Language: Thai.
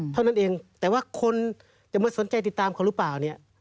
เท่านั้นเองแต่ว่าคนจะมาสนใจติดตามเขาหรือเปล่าเนี่ย